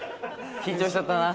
緊張しちゃったな。